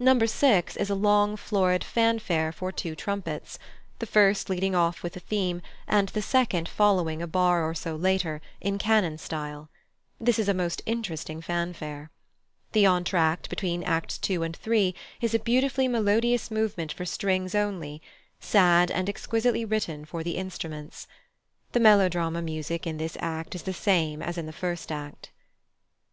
No. 6 is a long florid fanfare for two trumpets; the first leading off with the theme, and the second following a bar or so later, in canon style: this is a most interesting fanfare. The entr'acte between Acts ii. and iii. is a beautifully melodious movement for strings only, sad, and exquisitely written for the instruments. The melodrama music in this act is the same as in the first act.